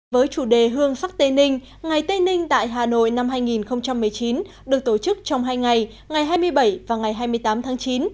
với chủ đề hương sắc tây ninh ngày tây ninh tại hà nội năm hai nghìn một mươi chín được tổ chức trong hai ngày ngày hai mươi bảy và ngày hai mươi tám tháng chín